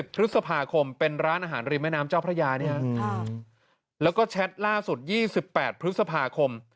พฤษภาคมเป็นร้านอาหารริมแม่น้ำเจ้าพระยาแล้วก็แชทล่าสุด๒๘พฤษภาคม